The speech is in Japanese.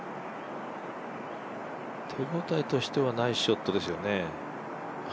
手応えとしてはナイスショットですよね。